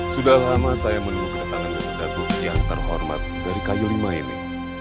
sudah lama saya menunggu kedatangan dagu yang terhormat dari kayu lima ini